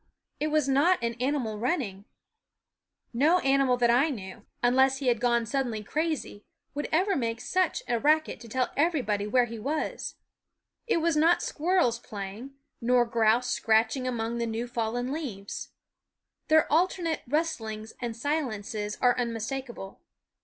It was not an animal running. No 239 240 9 SCHOOL Of animal that I knew, unless he had gone <*yj j JC* 77 * su ddenly crazy, would ever make such a f//n rac ket to tell everybody where he was. It was not squirrels playing, nor grouse scratch ing among the new fallen leaves. Their alternate rustlings and silences are unmis takable.